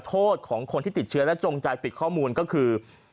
โทษของคนที่ติดเชื้อและจงใจปิดข้อมูลก็คือ